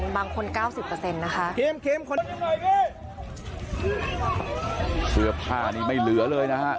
บางคน๙๐นะคะเครือผ้านี่ไม่เหลือเลยนะฮะ